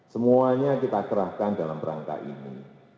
semuanya kita kerahkan dalam rangka ini